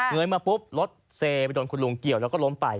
เงินมาปุ๊บรถเซไปโดนคุณลุงเกี่ยวแล้วก็ล้มไป